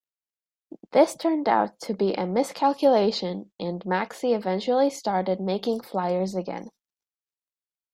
This turned out to be a miscalculation and Maxi eventually started making flyers again.